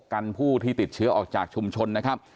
กันผู้ที่ติดเชื้อออกจากชุมชนนะครับ